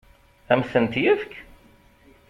Ad m-tent-yefk?